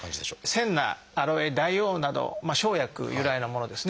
センナアロエ大黄など生薬由来のものですね。